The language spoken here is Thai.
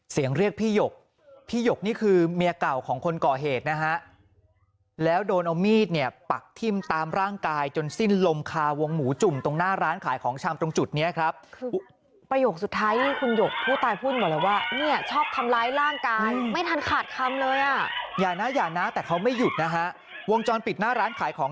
เรียกพี่หยกพี่หยกนี่คือเมียเก่าของคนก่อเหตุนะฮะแล้วโดนเอามีดเนี่ยปักทิ่มตามร่างกายจนสิ้นลมคาวงหมูจุ่มตรงหน้าร้านขายของชำตรงจุดเนี้ยครับคือประโยคสุดท้ายที่คุณหยกผู้ตายพูดหมดเลยว่าเนี่ยชอบทำร้ายร่างกายไม่ทันขาดคำเลยอ่ะอย่านะอย่านะแต่เขาไม่หยุดนะฮะวงจรปิดหน้าร้านขายของ